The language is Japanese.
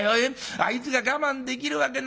あいつが我慢できるわけないよ